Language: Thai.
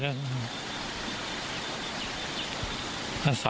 เกษตร์พูดต้องมั้ย